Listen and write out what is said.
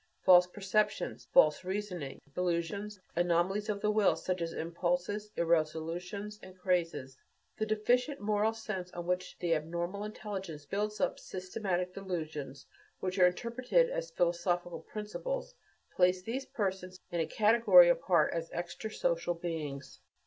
False perceptions, false reasoning, illusions, anomalies of the will such as impulses, irresolutions, and crazes, the deficient moral sense on which the abnormal intelligence builds up systematic delusions, which are interpreted as philosophical principles, place these persons in a category apart as extra social beings.